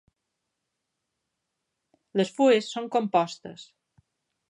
Les fulles són compostes.